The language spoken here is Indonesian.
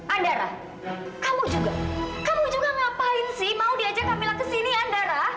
andara kamu juga kamu juga ngapain sih mau diajak kamila ke sini andara